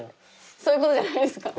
そういうことじゃないんですか？